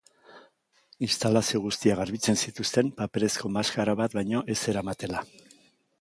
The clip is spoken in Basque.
Instalazio guztiak garbitzen zituzten paperezko maskara bat baino ez zeramatela.